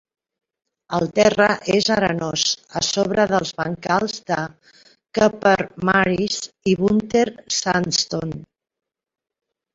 El terra és arenós a sobre dels bancals de Keuper Marls i Bunter Sandstone.